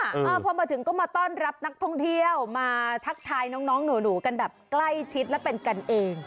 อ่าพอมาถึงก็มาต้อนรับนักท่องเที่ยวมาทักทายน้องน้องหนูกันแบบใกล้ชิดและเป็นกันเอง